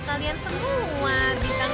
dan mengambil bintang